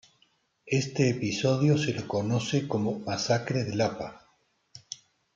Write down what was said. Este episodio se lo conoce como Masacre de Lapa.